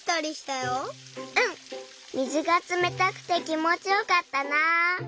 うん水がつめたくてきもちよかったな。